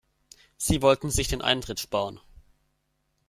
Sie wollten sich den Eintritt sparen.